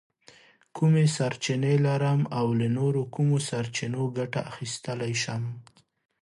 کومې سرچینې لرم او له نورو کومو سرچینو ګټه اخیستلی شم؟